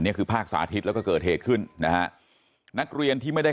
คือภาคสาธิตแล้วก็เกิดเหตุขึ้นนะฮะนักเรียนที่ไม่ได้